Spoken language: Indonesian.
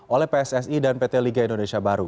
oleh pssi dan pt liga indonesia baru